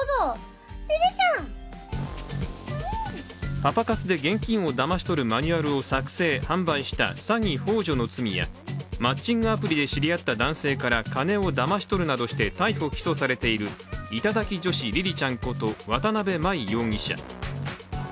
パパ活で厳禁をだまし取るなどした詐欺ほう助の罪やマッチングアプリで知り合った男性から金をだまし取ったなどしてこれまでに３回逮捕されている頂き女子りりちゃんこと渡邊真衣容疑者。